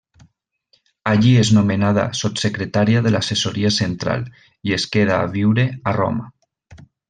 Allí és nomenada sotssecretària de l'Assessoria Central i es queda a viure a Roma.